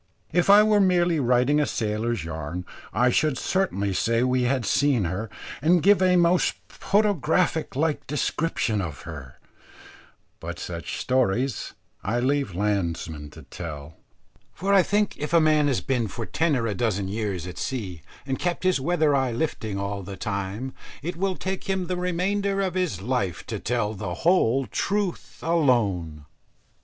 If I were merely writing a sailor's yarn, I should certainly say we had seen her, and give a most photographic like description of her; but such stories I leave landsmen to tell, for I think if a man has been for ten or a dozen years at sea, and kept his weather eye lifting all the time, it will take him the remainder of his life to tell the whole truth alone.